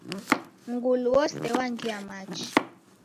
Mngulu wose wangia machi.